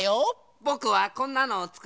ぼくはこんなのをつくりました。